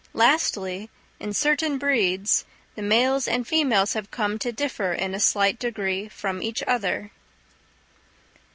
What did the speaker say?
Lastly, in certain breeds, the males and females have come to differ in a slight degree from each other.